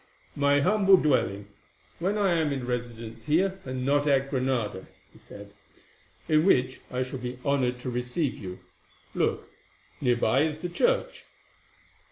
"My humble dwelling, when I am in residence here, and not at Granada," he said, "in which I shall be honoured to receive you. Look, near by is the church."